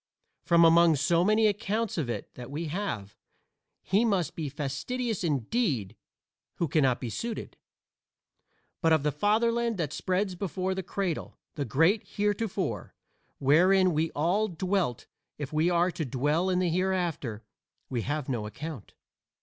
From among so many accounts of it that we have, he must be fastidious indeed who cannot be suited. But of the Fatherland that spreads before the cradle the great Heretofore, wherein we all dwelt if we are to dwell in the Hereafter, we have no account.